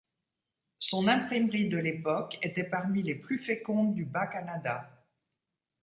Son imprimerie de l'époque était parmi les plus fécondes du Bas-Canada.